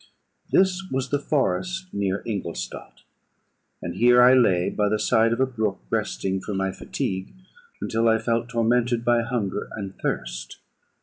This was the forest near Ingolstadt; and here I lay by the side of a brook resting from my fatigue, until I felt tormented by hunger and thirst.